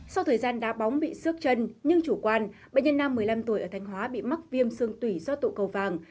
sau thời gian đá bóng bị xước chân nhưng chủ quan bệnh nhân nam một mươi năm tuổi ở thanh hóa bị mắc viêm xương tủy do tụ cầu vàng